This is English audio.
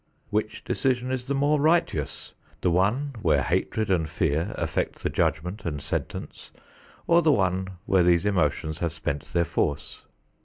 Which decision is the more righteous, the one where hatred and fear affect the judgment and sentence, or the one where these emotions have spent their force?